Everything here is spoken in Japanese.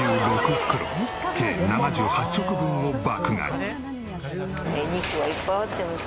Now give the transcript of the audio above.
袋計７８食分を爆買い。